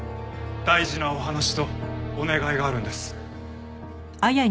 大事なお話とお願いがあるんです。